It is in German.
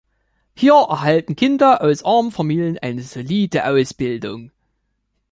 Hier erhalten Kinder aus armen Familien eine solide Ausbildung.